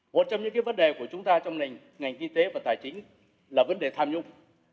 một trong những vấn đề của chúng ta trong ngành kinh tế và tài chính là vấn đề tham nhũng